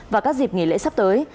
và các dịp nghỉ lễ sắp tới